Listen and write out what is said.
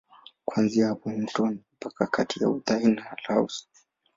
Kuanzia hapa mto ni mpaka kati ya Uthai na Laos.